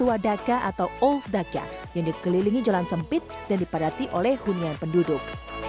kota tua dhaka atau old dhaka yang dikelilingi jalan sempit dan dipadati oleh hunian penduduk